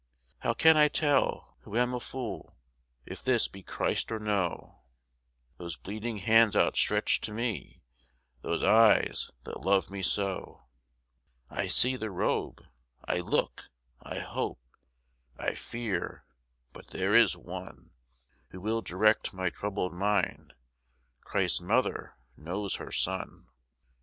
How can I tell, who am a fool, If this be Christ or no? Those bleeding hands outstretched to me! Those eyes that love me so! I see the Robe I look I hope I fear but there is one Who will direct my troubled mind; Christ's Mother knows her Son.